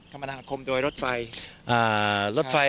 คำนาคมโดยรถไฟ